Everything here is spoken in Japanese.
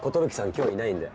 今日いないんで。